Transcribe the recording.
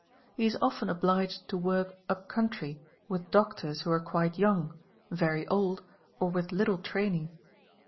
He is — often obliged to work up country with doctors who are quite young, very old, or with little training.